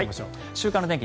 週間の天気